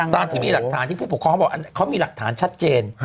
ตามที่มีหลักฐานที่ผู้ปกครองเขาบอกเขามีหลักฐานชัดเจน